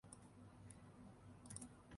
لیکن ہماری مخصوص نفسیات بن چکی ہے۔